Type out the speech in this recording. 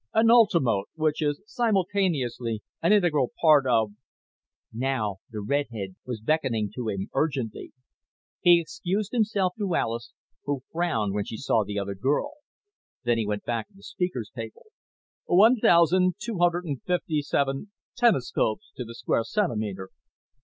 "... an ultimote, which is simultaneously an integral part of ..." Now the redhead was beckoning to him urgently. He excused himself to Alis, who frowned when she saw the other girl; then he went back of the speaker's table ("... 1,257 tenescopes to the square centimeter